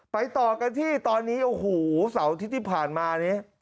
ไปต่อกันที่ตอนนี้โอ้โหสาวที่ผ่านมานี้